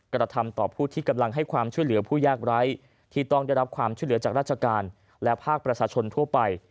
กระทำต่อผู้ที่กำลังให้ความช่วยเหลือผู้ยากไร้ที่ต้องได้รับความช่วยเหลือจากราชการและภาคประชาชนทั่วไป